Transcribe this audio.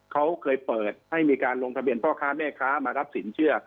เขาเคยเปิดให้มีการลงทะเบียนพ่อค้าแม่ค้ามารับสินเชื่อ